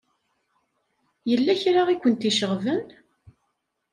Yella kra i kent-iceɣben?